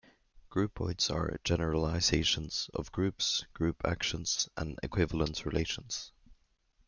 Groupoids are generalizations of groups, group actions and equivalence relations.